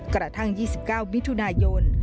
กระทั่ง๒๙มิถุนายน